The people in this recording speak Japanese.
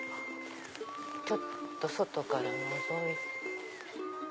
ちょっと外からのぞいて。